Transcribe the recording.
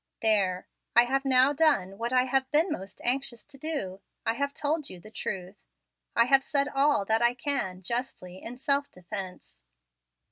There! I have now done what I have been most anxious to do I have told you the truth. I have said all that I can, justly, in self defence.